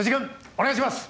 お願いします！